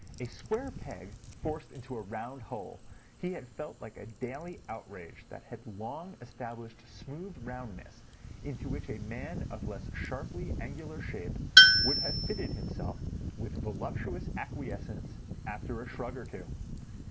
A square peg forced into a round hole, he had felt like a daily outrage that long established smooth roundness into which a man of less sharply angular shape would have fitted himself, with voluptuous acquiescence, after a shrug or two.